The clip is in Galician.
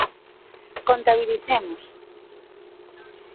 Contabilicemos.